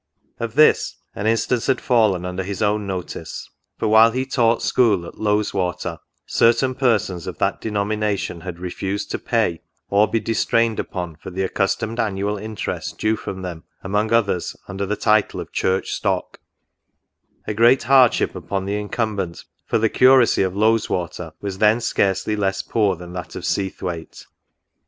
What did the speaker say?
Of this an instance had fallen under his own notice ; for, while he taught school at Loweswater, certain persons of that denomination had re fused to pay, or be distrained upon, for the accustomed an nual interest due from them, among others, under the title of church stock ; a great hardship upon the incumbent, for the curacy of Loweswater was then scarcely less poor than that of Seathwaite.